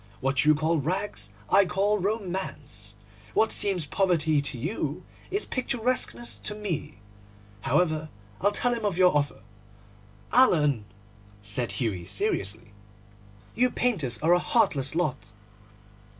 What you call rags I call romance. What seems poverty to you is picturesqueness to me. However, I'll tell him of your offer.' 'Alan,' said Hughie seriously, 'you painters are a heartless lot.